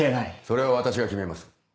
それは私が決めます。